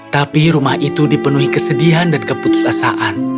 tapi rumah itu dipenuhi kesedihan dan keputusasaan